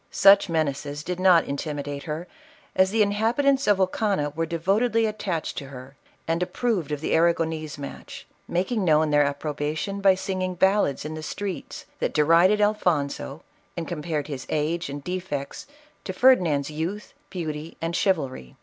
Such menaces did not intimidate her, as the inhabitants of Ocana were devo tedly attached to her and approved of the Arragonese match, making known their approbation by singing ballads in the streets, that derided Alfonso and com pared his age and defects to Ferdinand's }routh, beauty and chivalry.